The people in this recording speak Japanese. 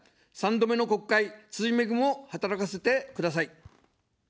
３度目の国会、つじ恵を働かせてください。